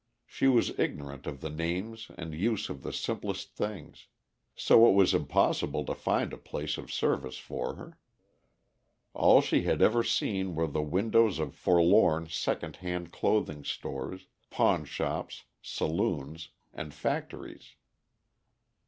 She was ignorant of the names and use of the simplest things; so it was impossible to find a place of service for her. All she had ever seen were the windows of forlorn second hand clothing stores, pawnshops, saloons, and factories.